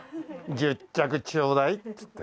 「１０着ちょうだい」っつって。